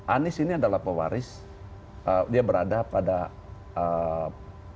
anies ini adalah pewaris dia berada pada pewaris akhirnya